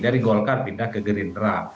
dari golkar pindah ke gerindra